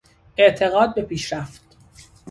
اعتقاد به پیشرفت